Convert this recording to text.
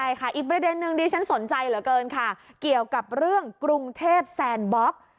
ใช่ค่ะอีกประเด็นนึงดิฉันสนใจเหลือเกินค่ะเกี่ยวกับเรื่องกรุงเทพแซนบล็อก